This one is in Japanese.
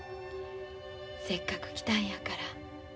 せっかく来たんやから。